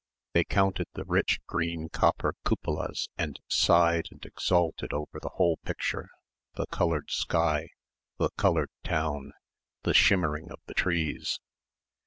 They counted the rich green copper cupolas and sighed and exulted over the whole picture, the coloured sky, the coloured town, the shimmering of the trees.